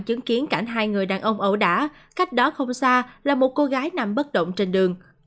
chứng kiến cảnh hai người đàn ông ẩu đả cách đó không xa là một cô gái nằm bất động trên đường